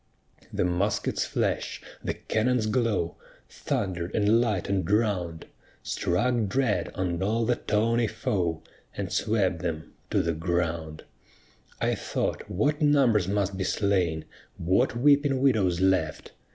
The musket's flash, the cannon's glow, Thunder'd and lighten'd round, Struck dread on all the tawny foe, And swept them to the ground. I thought what numbers must be slain, What weeping widows left!